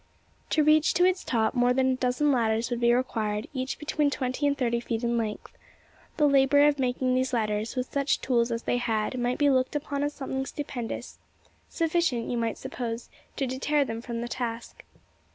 To reach to its top, more than a dozen ladders would be required each between twenty and thirty feet in length. The labour of making these ladders, with such tools as they had, might be looked upon as something stupendous sufficient, you might suppose, to deter them from the task.